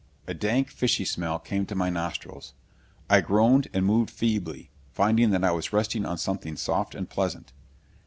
A dank, fishy smell came to my nostrils. I groaned and moved feebly, finding that I was resting on something soft and pleasant.